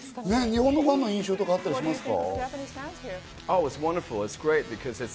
日本のファンの印象、あったりしますか？